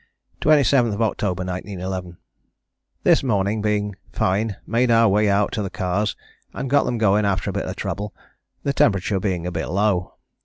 "27th October 1911. "This morning being fine made our way out to the cars and got them going after a bit of trouble, the temperature being a bit low.